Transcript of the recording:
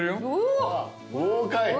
豪快。